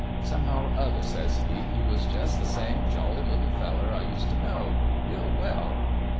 Somehow or other,' says he, ' he was jus' the same jolly little feller I used t' know real well.'